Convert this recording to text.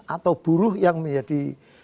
atau buruh yang menjadi